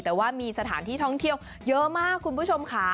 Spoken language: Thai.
แต่ว่ามีสถานที่ท่องเที่ยวเยอะมากคุณผู้ชมค่ะ